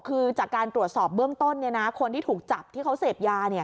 คือจากการตรวจสอบเบื้องต้นคนที่ถูกจับที่เขาเสพยา